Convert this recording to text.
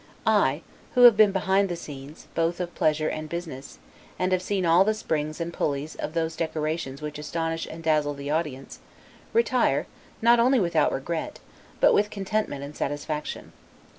I, who have been behind the scenes, both of pleasure and business, and have seen all the springs and pullies of those decorations which astonish and dazzle the audience, retire, not only without regret, but with contentment and satisfaction.